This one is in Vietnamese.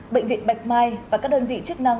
bệnh viện bạch mai và các đơn vị chức năng